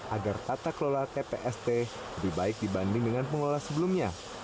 agar tata kelola tpst lebih baik dibanding dengan pengelola sebelumnya